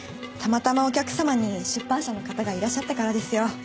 たまたまお客様に出版社の方がいらっしゃったからですよ。